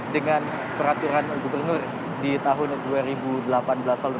dengan peraturan gubernur di tahun dua ribu delapan belas lalu